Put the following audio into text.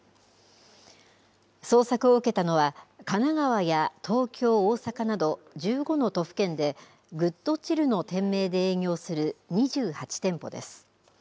捜索を受けたのは、神奈川や東京、大阪など１５の都府県でＧＯＯＤＣＨＩＬＬの店名で営業する２８店舗です。